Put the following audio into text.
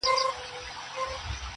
له خټو جوړه لویه خونه ده زمان ژوولې،